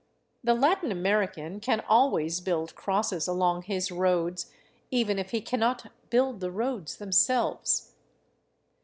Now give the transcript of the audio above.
The Latin American can always build crosses along his roads, even if he cannot build the roads themselves.